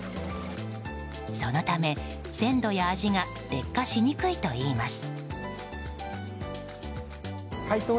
そのため、鮮度や味が劣化しにくいといいます。